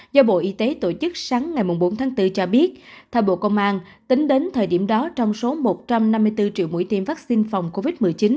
do bộ y tế tổ chức sáng ngày bốn tháng bốn cho biết theo bộ công an tính đến thời điểm đó trong số một trăm năm mươi bốn triệu mũi tiêm vaccine phòng covid một mươi chín